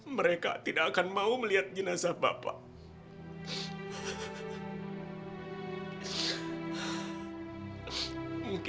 mereka sudah tidak punya bapak lagi